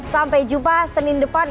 sampai jumpa senin depan